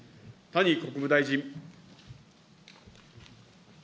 谷国務大臣。